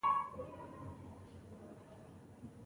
د لیمو له چینو څخه په راخوټېدلو اوبو یې روژه ماته کړه.